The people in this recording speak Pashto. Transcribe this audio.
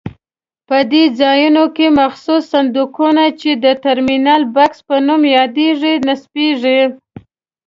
په دې ځایونو کې مخصوص صندوقونه چې د ټرمینل بکس په نوم یادېږي نصبېږي.